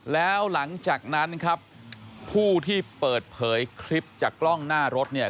แล้วหลังจากนั้นครับผู้ที่เปิดเผยคลิปจากกล้องหน้ารถเนี่ย